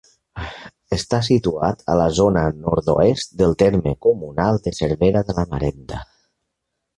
Està situat a la zona nord-oest del terme comunal de Cervera de la Marenda.